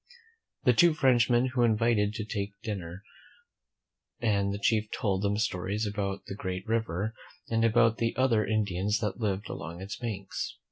The two Frenchmen were invited to take dinner, and the chief told them stories about the Great River and about the other Indians that lived along its banks.